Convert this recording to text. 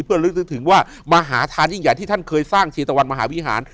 เพื่อลึกนึกถึงว่ามหาทานยิ่งใหญ่ที่ท่านเคยสร้างชีตะวันมหาวิหาร